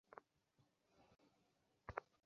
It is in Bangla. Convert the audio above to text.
অর্জুনের মনেও ক্ষোভ লেগেছিল।